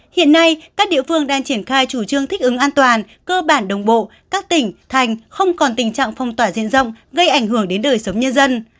hiện nay các địa phương đang triển khai chủ trương thích ứng an toàn cơ bản đồng bộ các tỉnh thành không còn tình trạng phong tỏa diện rộng gây ảnh hưởng đến đời sống nhân dân